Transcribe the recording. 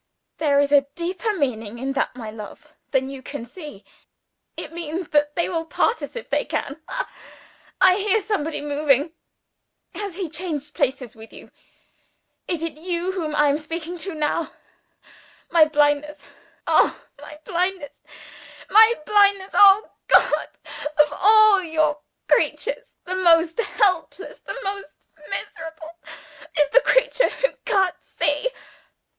There is a deeper meaning in that, my love, than you can see. It means that they will part us if they can. Ha! I hear somebody moving! Has he changed places with you? Is it you whom I am speaking to now? Oh, my blindness! my blindness! Oh, God, of all your creatures, the most helpless, the most miserable, is the creature who can't see!"